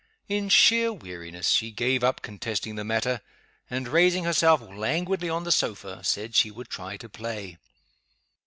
In sheer weariness, she gave up contesting the matter; and, raising herself languidly on the sofa, said she would try to play.